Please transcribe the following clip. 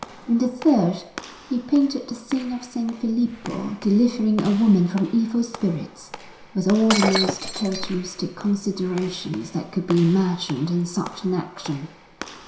In the third he painted the scene of S. Filippo delivering a woman from evil spirits, with all the most characteristic considerations that could be imagined in such an action.